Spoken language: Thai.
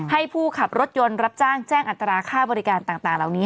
ให้ผู้ขับรถยนต์รับจ้างแจ้งอัตราค่าบริการต่างเหล่านี้